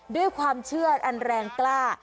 ด้วยความเชื่ออันแรงกล้า